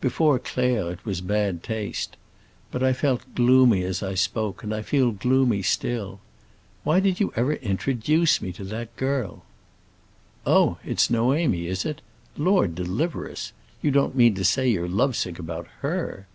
Before Claire it was bad taste. But I felt gloomy as I spoke, and I feel gloomy still. Why did you ever introduce me to that girl?" "Oh, it's Noémie, is it? Lord deliver us! You don't mean to say you are lovesick about her?"